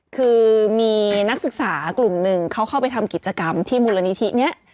คือมีนักศึกษากลุ่มหนึ่งเขาเข้าไปทำกิจกรรมที่มูลนิธินี้